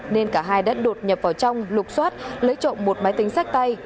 nên cả hai đã đột nhập vào trong lục xoát lấy trộm một máy tính sách tay